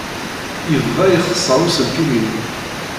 Yebda ixeṣṣer uselkim-inu.